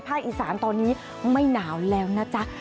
อีสานตอนนี้ไม่หนาวแล้วนะจ๊ะ